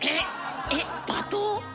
えっ罵倒？